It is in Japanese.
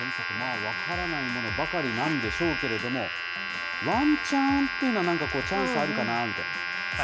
分からないものばかりなんでしょうけれども、ワンチャンっていうのはなんかこう、チャンスあるかなみたいな。